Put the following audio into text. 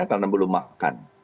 karena belum makan